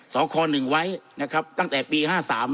สอข้อหนึ่งไว้นะครับตั้งแต่ปีห้าสาม